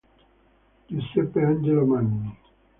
Giuseppe Angelo Manni